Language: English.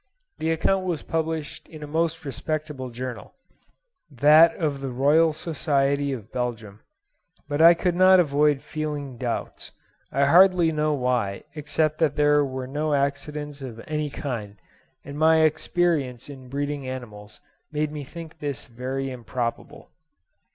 The account was published in a most respectable Journal, that of the Royal Society of Belgium; but I could not avoid feeling doubts—I hardly know why, except that there were no accidents of any kind, and my experience in breeding animals made me think this very improbable.